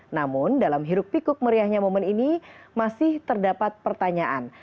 namun dalam hiruk pikuk meriahnya momen ini masih terdapat pertanyaan